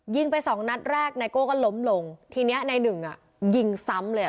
ไปสองนัดแรกไนโก้ก็ล้มลงทีเนี้ยนายหนึ่งอ่ะยิงซ้ำเลยอ่ะ